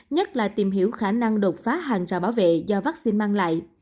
nhất là tìm hiểu khả năng đột phá hàng trào bảo vệ do vaccine mang lại